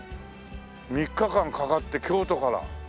３日間かかって京都から。